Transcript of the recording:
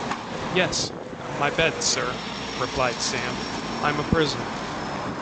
‘Yes, my bed, Sir,’ replied Sam, ‘I’m a prisoner.